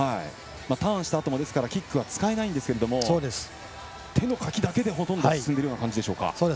ターンしたあともキックは使えないんですが手のかきだけで、ほとんど進んでいる感じでしょうか。